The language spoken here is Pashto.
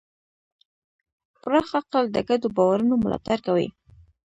پراخ عقل د ګډو باورونو ملاتړ کوي.